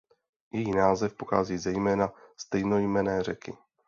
Její název pochází ze jména stejnojmenné řeky.